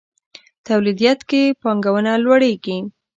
توليديت کې پانګونه لوړېږي.